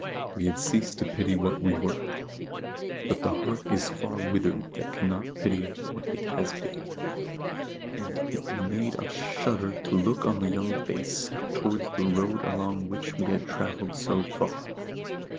We had ceased to pity what we were, but the heart is far withered that cannot pity what it has been; and it made us shudder to look on the young face set towards the road along which we had travelled so far.